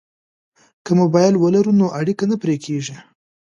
که موبایل ولرو نو اړیکه نه پرې کیږي.